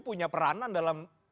punya peranan dalam